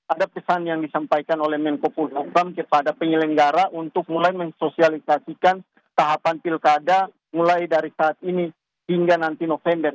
ada pesan yang disampaikan oleh menko polhukam kepada penyelenggara untuk mulai mensosialisasikan tahapan pilkada mulai dari saat ini hingga nanti november